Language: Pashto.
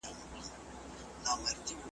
راته راوړی لیک مي رویبار دی .